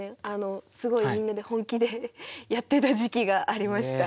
すごいみんなで本気でやってた時期がありました。